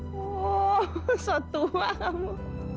wah sok tua kamu